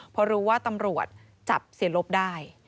พอรู้ว่าตำรวจจับเสียลบได้